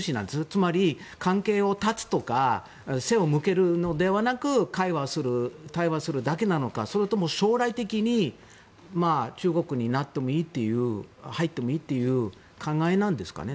つまり、関係を断つとか背を向けるのではなく会話をする、対話するだけなのかそれとも将来的に中国になってもいいという入ってもいいという考えなんですかね？